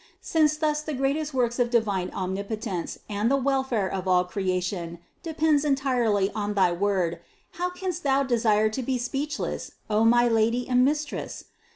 Since thus the greatest work of divine Omnipotence and the welfare of all creation depends en tirely on thy word how canst Thou desire to be speech less, O my Lady and Mistress?